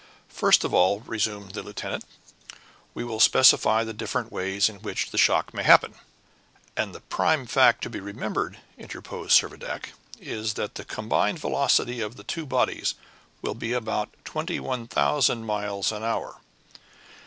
"First of all," resumed the lieutenant, "we will specify the different ways in which the shock may happen." "And the prime fact to be remembered," interposed Servadac, "is that the combined velocity of the two bodies will be about 21,000 miles an hour."